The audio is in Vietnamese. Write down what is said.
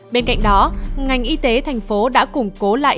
bên cạnh đó ngành y tế thành phố đã củng cố lại